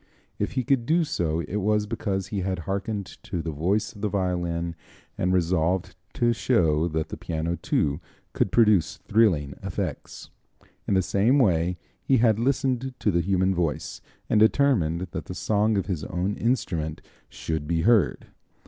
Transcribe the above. If he could do so it was because he had harkened to the voice of the violin and resolved to show that the piano, too, could produce thrilling effects. In the same way he had listened to the human voice, and determined that the song of his own instrument should be heard.